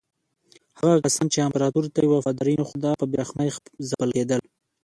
هغه کسان چې امپراتور ته یې وفاداري نه ښوده په بې رحمۍ ځپل کېدل.